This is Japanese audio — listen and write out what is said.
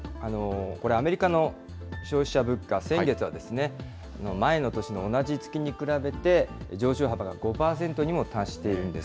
これ、アメリカの消費者物価、先月は前の年の同じ月に比べて、上昇幅が５％にも達しているんです。